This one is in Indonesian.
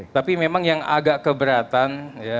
tapi memang yang agak keberatan